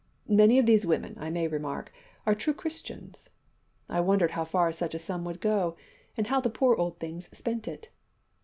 Many of these women, I may remark, are true Christians. I wondered how far such a sum would go, and how the poor old things spent it.